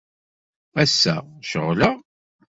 Ass-a, ceɣleɣ.